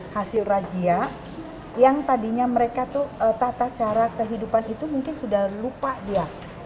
hasil rajia yang tadinya mereka tuh tata cara kehidupan itu mungkin sudah lupa dia